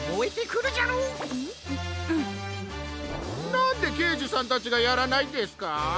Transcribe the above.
なんでけいじさんたちがやらないんですか？